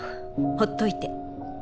ほっといて。